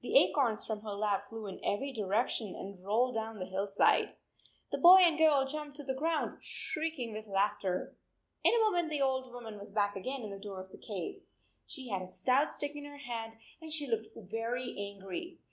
The acorns from her lap flew in every direction and rolled down the hillside. The 9 boy and girl jumped to the ground, shriek ing with laughter. In a moment the old woman was back again in the door of the cave. She had a stout stick in her hand and she looked very angry.